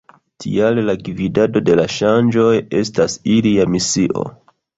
Tial la gvidado de la ŝanĝoj estas ilia misio.